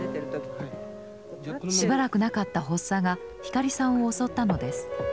しばらくなかった発作が光さんを襲ったのです。